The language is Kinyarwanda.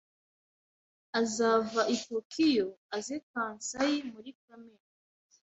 Azava i Tokiyo aze Kansai muri Kamena